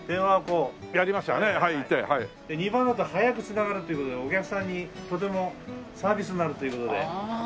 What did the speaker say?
２番だと早く繋がるという事でお客さんにとてもサービスになるという事で。